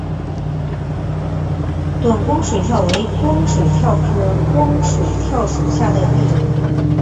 短光水蚤为光水蚤科光水蚤属下的一个种。